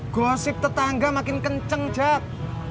gosip tetangga makin kenceng jak